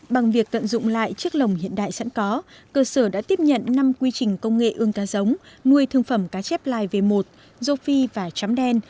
bằng việc tận dụng lại chiếc lồng hiện đại sẵn có cơ sở đã tiếp nhận năm quy trình công nghệ ương cá giống nuôi thương phẩm cá chép lai v một dô phi và chấm đen